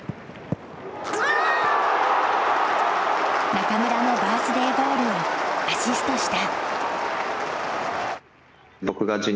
中村のバースデーゴールをアシストした。